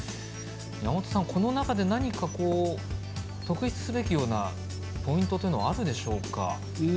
山本さん、この中で何か特筆すべきようなポイントというのはあるでしょうか。